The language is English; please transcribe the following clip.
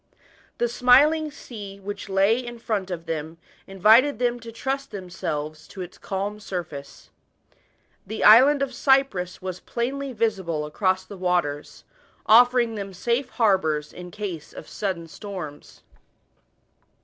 The smiling sea' which lay in front of them, invited them to trust themselves to its calm surface. The island of Cyprus * was plainly visible across the waters, offering them safe harbours i& case of sudden storms.